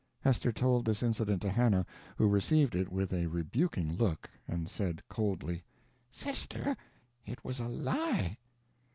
Hester told this incident to Hannah, who received it with a rebuking look, and said, coldly: "Sister, it was a lie."